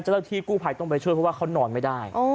เจ้าหน้าที่กู้ภัยต้องไปช่วยเพราะว่าเขานอนไม่ได้